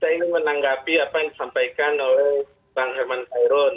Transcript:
saya ingin menanggapi apa yang disampaikan oleh bang herman khairun